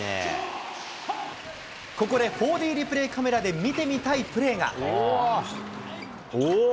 ここで４Ｄリプレイカメラで見てみたいプレーが。